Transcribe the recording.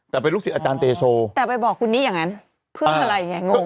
แต่เป็นลูกศิษย์อาจารย์เตโชแต่ไปบอกคนนี้อย่างนั้นเพื่ออะไรไงงง